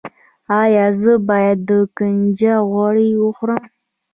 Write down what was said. ایا زه باید د کنجد غوړي وخورم؟